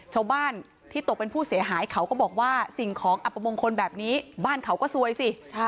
ชาวบ้านที่ตกเป็นผู้เสียหายเขาก็บอกว่าสิ่งของอัปมงคลแบบนี้บ้านเขาก็ซวยสิ